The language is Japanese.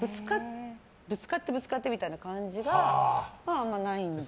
ぶつかって、ぶつかってみたいな感じがないんです。